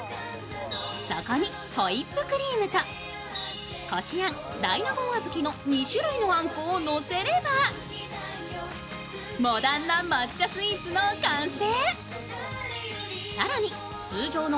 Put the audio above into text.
そこに、ホイップクリームとこしあん、大納言小豆の２種類のあんこをのせればモダンな抹茶スイーツの完成。